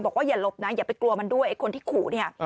บอกว่าอย่าลบนะอย่าไปกลัวมันด้วยคนที่ขู่นี่